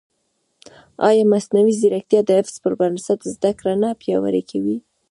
ایا مصنوعي ځیرکتیا د حفظ پر بنسټ زده کړه نه پیاوړې کوي؟